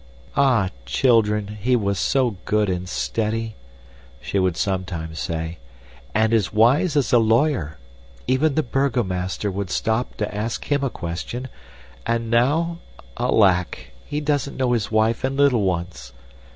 "Ah! children, he was so good and steady," she would sometimes say, "and as wise as a lawyer. Even the burgomaster would stop to ask him a question, and now, alack! he doesn't know his wife and little ones.